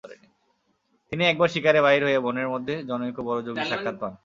তিনি একবার শিকারে বাহির হইয়া বনের মধ্যে জনৈক বড় যোগীর সাক্ষাৎ পান।